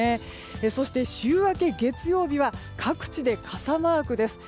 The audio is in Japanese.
そして、週明け月曜日は各地で傘マークです。